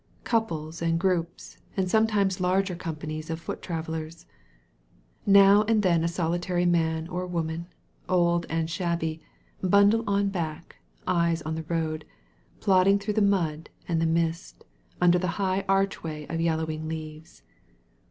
Couples and groups and sometimes larger companies of foot travellers. Now and then a solitary man or woman, old and shabby, bundle on back, eyes on the road, plodding through the mud and the mist, under the high arch way of yellowing leaves.